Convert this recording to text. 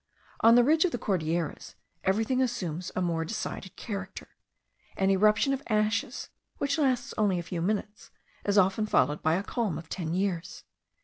On the ridge of the Cordilleras everything assumes a more decided character. An eruption of ashes, which lasts only a few minutes, is often followed by a calm of ten years.